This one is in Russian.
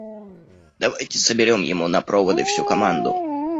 Давайте соберем ему на проводы всю команду.